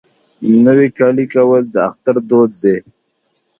نوی کالی کول د اختر دود دی.